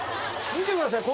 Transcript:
見てください。